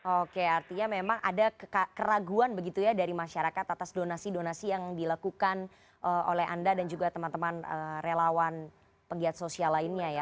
oke artinya memang ada keraguan begitu ya dari masyarakat atas donasi donasi yang dilakukan oleh anda dan juga teman teman relawan pegiat sosial lainnya ya